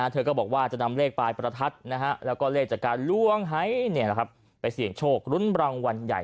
เธอก็บอกว่าจะนำเลขภายประทัดนะครับแล้วก็เลขจากการล้วงไหล่ไปเสี่ยงโชคลุ้นบรรวมวันใหญ่